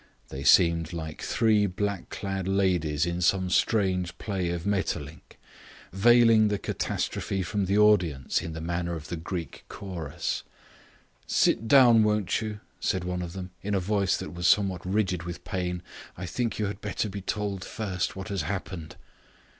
They seemed like three black clad ladies in some strange play of Maeterlinck, veiling the catastrophe from the audience in the manner of the Greek chorus. "Sit down, won't you?" said one of them, in a voice that was somewhat rigid with pain. "I think you had better be told first what has happened."